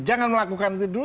jangan melakukan itu dulu